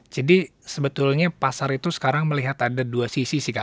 jadi sebetulnya pasar itu sekarang melihat ada dua sisi sih kak